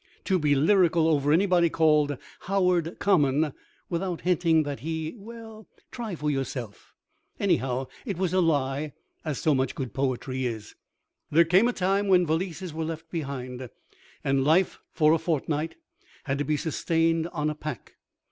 To be lyrical over anybody called Howard Common without hinting that he well, try for yourself. Anyhow it was a lie, as so much good poetry is. There came a time when valises were left behind and life for a fortnight had to be sustained on a pack.